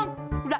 hmm dasar kurang